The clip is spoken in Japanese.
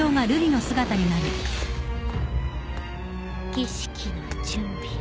儀式の準備を。